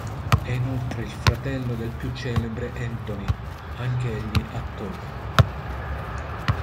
È, inoltre, il fratello del più celebre Anthony, anch'egli attore.